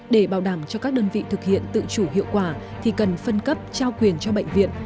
để bảo đảm cho các đơn vị thực hiện tự chủ hiệu quả thì cần phân cấp trao quyền cho bệnh viện